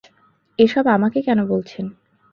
এসব আমাকে কেন বলছেন?